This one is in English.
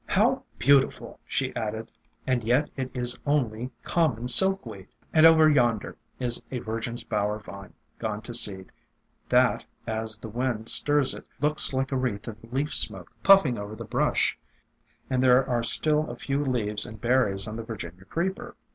"How beautiful!" she added, "and yet it is only common Silkweed. And over yonder is a Virgin's Bower Vine gone to seed, that, as the wind stirs it, looks like a wreath of leaf smoke pufHng over the brush; and there are still a few leaves and berries on the Virginia Creeper.